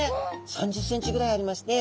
３０ｃｍぐらいありまして。